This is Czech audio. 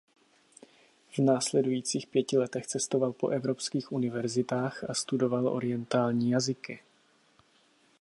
V následujících pěti letech cestoval po evropských univerzitách a studoval orientální jazyky.